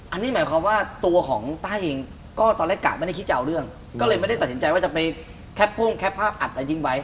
อันนี้หมายความว่าตัวของต้าเองก็ตอนแรกกะไม่ได้คิดจะเอาเรื่องก็เลยไม่ได้ตัดสินใจว่าจะไปแคปพ่งแคปภาพอัดอะไรทิ้งไว้